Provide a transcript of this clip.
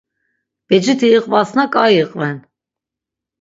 Beciti iqvasna ǩai iqven.